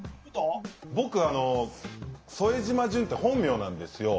僕副島淳って本名なんですよ。